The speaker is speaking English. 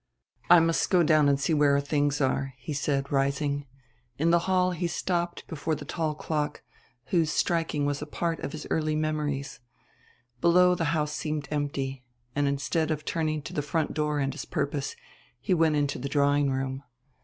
"I must go down and see where our things are," he said, rising. In the hall he stopped before the tall clock whose striking was a part of his early memories. Below, the house seemed empty; and, instead of turning to the front door and his purpose, he went into the drawing room.